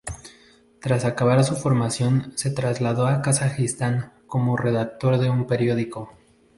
Tras acabar su formación, se trasladó a Kazajistán como redactor de un periódico.